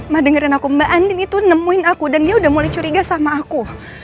mah dengerin aku mbak andin itu nemuin aku dan dia udah mulai curiga sama aku